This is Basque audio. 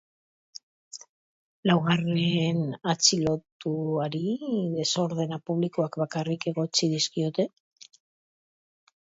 Laugarren atxilotuari desordena publikoak bakarrik egotzi dizkiote.